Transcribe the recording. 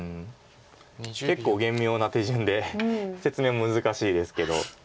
結構玄妙な手順で説明難しいですけど。